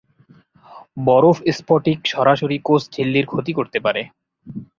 বরফ স্ফটিক সরাসরি কোষ ঝিল্লির ক্ষতি করতে পারে।